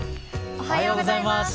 おはようございます。